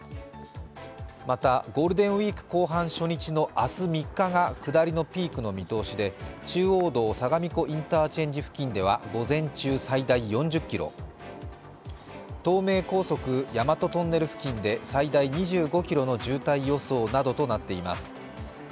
またゴールデンウイーク後半初日の明日３日が下りのピークの見通しで中央道相模湖インターチェンジ付近では午前中最大４０ｋｍ、東名高速大和トンネル付近で最大最大２５ｋｍの渋滞予想などとなっています。